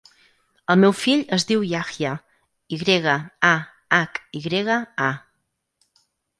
El meu fill es diu Yahya: i grega, a, hac, i grega, a.